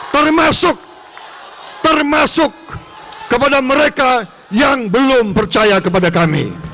termasuk termasuk kepada mereka yang belum percaya kepada kami